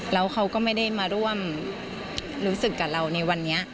แล้วเขาก็ไม่ได้มาร่วมรู้สึกกับเราในวันนี้